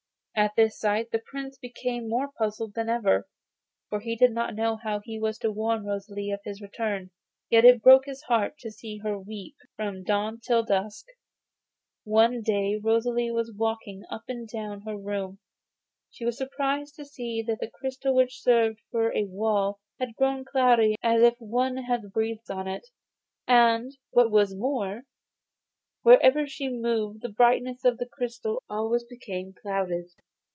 At this sight the Prince became more puzzled than ever, for he did not know how he was to warn Rosalie of his return. Yet it broke his heart to see her weeping from dawn till dark. One day, as Rosalie was walking up and down her room, she was surprised to see that the crystal which served for a wall had grown cloudy, as if some one had breathed on it, and, what was more, wherever she moved the brightness of the crystal always became clouded.